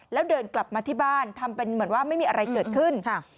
แล้วเดินกลับมาที่บ้านทำเป็นเหมือนว่าไม่มีอะไรเกิดขึ้น